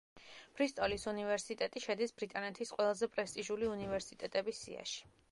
ბრისტოლის უნივერსიტეტი შედის ბრიტანეთის ყველაზე პრესტიჟული უნივერსიტეტების სიაში.